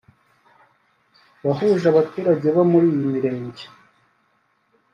wahuje abaturage bo muri iyi mirenge